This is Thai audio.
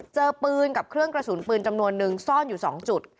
เจอปืนกับเครื่องกระสุนปืนจำนวนนึงซ่อนอยู่๒จุด